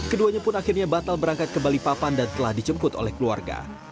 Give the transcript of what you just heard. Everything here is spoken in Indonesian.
keduanya pun akhirnya batal berangkat kembali papan dan telah dicemkut oleh keluarga